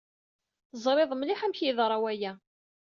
Teẓriḍ mliḥ amek ay yeḍra waya.